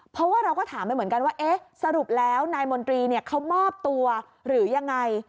เพราะว่าเราก็ถามไปเหมือนกันว่าเอ๊ะสรุปแล้วนายมนตรีเขามอบตัวหรือยังไง